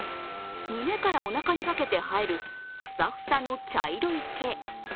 胸からおなかにかけて生えるふさふさの茶色い毛。